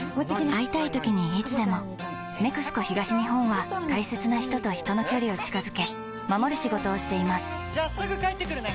会いたいときにいつでも「ＮＥＸＣＯ東日本」は大切な人と人の距離を近づけ守る仕事をしていますじゃあすぐ帰ってくるね！